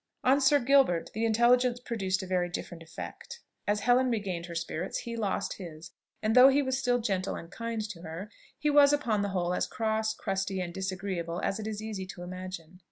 On Sir Gilbert the intelligence produced a very different effect. As Helen regained her spirits, he lost his; and though he was still gentle and kind to her, he was upon the whole as cross, crusty, and disagreeable as it is easy to imagine.